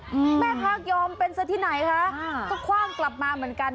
อืมแม่ค้ายอมเป็นซะที่ไหนคะอ่าก็คว่างกลับมาเหมือนกัน